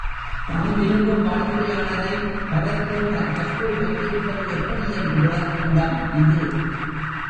தான் விரும்பும் வாடிக்கையாளனைப் பரத்தை தன் கைக்குள் வைத்திருப்பது எப்படியென்று விளக்கும் இடம் இது.